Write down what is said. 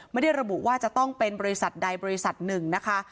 ไม่ได้ระบุว่าจะต้องเป็นบริษัทใดบริษัทหนึ่งนะคะ